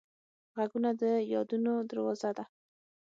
غږونه د یادونو دروازه ده